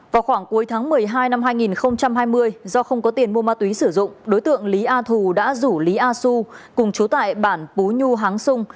vào khoảng cuối tháng một mươi hai năm hai nghìn hai mươi do không có tiền mua ma túy sử dụng đối tượng lý a thù đã rủ lý a xu cùng chú tại bản pú nhu háng sung